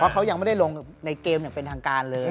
เขายังไม่ได้ลงในเกมอย่างเป็นทางการเลย